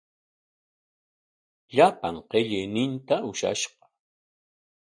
Llapan qillayninta ushashqa.